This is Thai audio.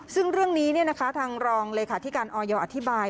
ซึ่งเรื่องนี้ทางรองเลยค่ะที่การออยอออธิบาย